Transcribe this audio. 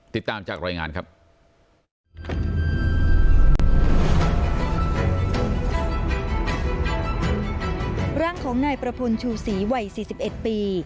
ติดตามจากรายงานครับ